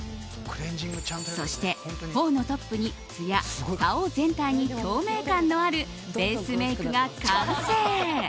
そして、頬のトップにつや顔全体に透明感のあるベースメイクが完成。